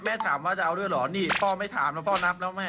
ถามว่าจะเอาด้วยเหรอนี่พ่อไม่ถามแล้วพ่อนับแล้วแม่